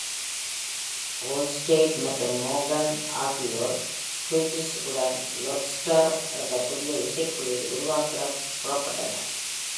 Al-Sayed மற்றும் Morgan ஆகியோர் Haggis-உடன் Lodestar என்ற புதிய இசைக்குழுவை உருவாக்கிடப் புறப்பட்டனர்.